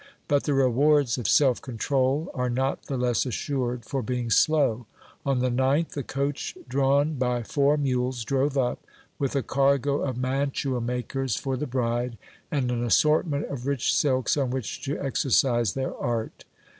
But the rewards of self control are not the less assured for being slow : on the ninth, a coach drawn by four mules drove up, with a cargo of mantua makers for the bride, and an assortment of rich silks on which to exercise their art.